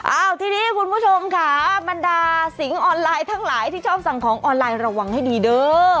อ้าวทีนี้คุณผู้ชมค่ะบรรดาสิงห์ออนไลน์ทั้งหลายที่ชอบสั่งของออนไลน์ระวังให้ดีเด้อ